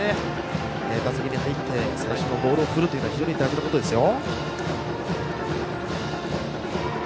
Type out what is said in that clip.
打席に入って最初のボールを振るというのは非常に大事なことですよ。